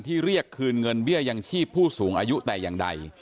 เรียกคืนเงินเบี้ยยังชีพผู้สูงอายุแต่อย่างใด